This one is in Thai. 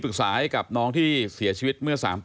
ปรึกษาให้กับน้องที่เสียชีวิต